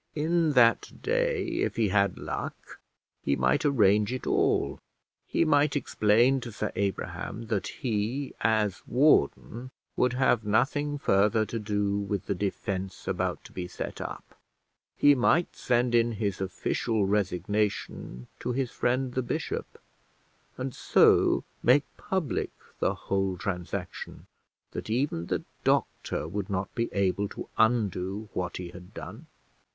In that day, if he had luck, he might arrange it all; he might explain to Sir Abraham that he, as warden, would have nothing further to do with the defence about to be set up; he might send in his official resignation to his friend the bishop, and so make public the whole transaction, that even the doctor would not be able to undo what he had done.